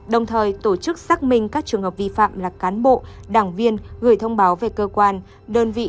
đồng thời tổ chức xác minh các trường hợp vi phạm là cán bộ đảng viên gửi thông báo về cơ quan đơn vị